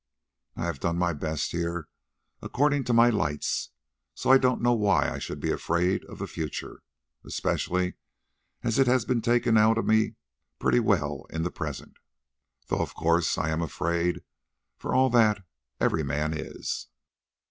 I have done my best here according to my lights, so I don't know why I should be afraid of the future, especially as it has been taken out of me pretty well in the present, though of course I am afraid for all that, every man is.